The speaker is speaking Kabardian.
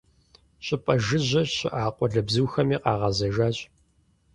ЩӀыпӀэ жыжьэ щыӀа къуалэбзухэми къагъэзэжащ.